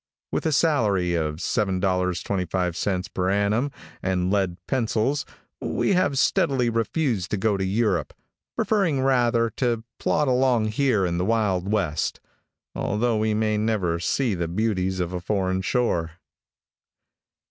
With a salary of $7.25 per annum, and lead pencils, we have steadily refused to go to Europe, preferring rather to plod along here in the wild west, although we may never see the beauties of a foreign shore.